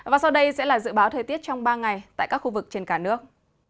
và sau đây sẽ là dự báo thời tiết trong ba ngày tại các khu vực trên cả nước